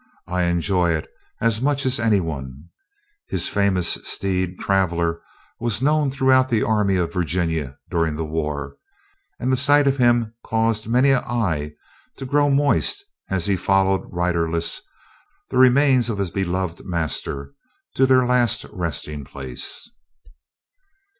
I enjoy it as much as any one." His famous steed, "Traveller," was known throughout the Army of Virginia, during the War, and the sight of him caused many an eye to grow moist as he followed riderless the remains of his beloved master to their last resting place.